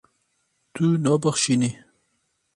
Tu nabexşînî.